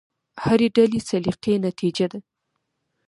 هرې ډلې سلیقې نتیجه ده.